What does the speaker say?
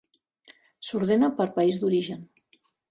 S'ordena per país d'origen.